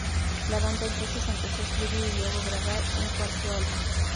La banda entonces empezó a escribir y luego grabar un cuarto álbum.